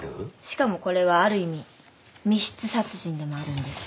しかもこれはある意味密室殺人でもあるんです。